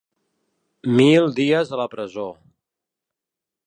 Mil dies a la presó.